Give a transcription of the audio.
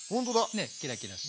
ねキラキラして。